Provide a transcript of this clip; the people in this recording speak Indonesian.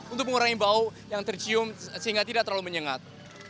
untuk mengurangi bau yang tercium sehingga tidak terlalu menyengat